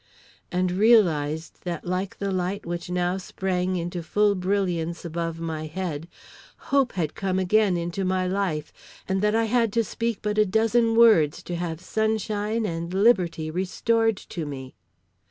and realized that like the light which now sprang into full brilliance above my head, hope had come again into my life, and that I had to speak but a dozen words to have sunshine and liberty restored to me.